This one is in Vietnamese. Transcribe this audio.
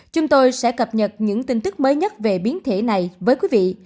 chúng tôi sẽ cập nhật những tin tức mới nhất về biến thể này với quý vị